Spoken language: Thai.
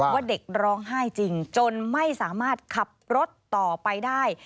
ว่าเด็กร้องไห้จริงจนไม่สามารถขับรถต่อไปได้